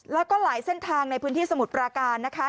แล้วก็หลายเส้นทางในพื้นที่สมุทรปราการนะคะ